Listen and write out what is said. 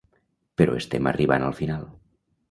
Però estem arribant al final.